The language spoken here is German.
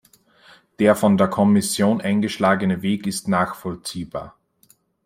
Der von der Kommission eingeschlagene Weg ist nachvollziehbar.